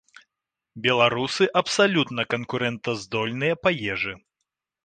Беларусы абсалютна канкурэнтаздольныя па ежы.